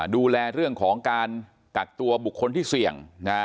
ดูแลเรื่องของการกักตัวบุคคลที่เสี่ยง